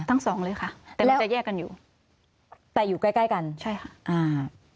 ทั้งสองเลยค่ะแต่มันจะแยกกันอยู่แต่อยู่ใกล้ใกล้กันใช่ค่ะอ่า